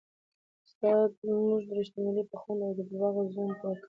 استاد موږ د رښتینولۍ په خوند او د درواغو په زیان پوه کوي.